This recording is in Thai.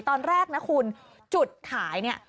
ตอนแรกนะคุณจุดขายเนี่ย